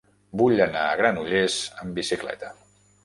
Vull anar a Granollers amb bicicleta.